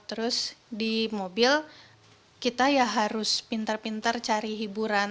terus di mobil kita ya harus pintar pintar cari hiburan